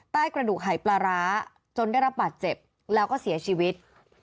กระดูกหายปลาร้าจนได้รับบาดเจ็บแล้วก็เสียชีวิต